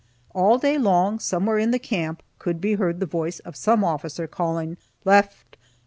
All day long, somewhere in the camp, could be heard the voice of some officer, calling, "Left! left!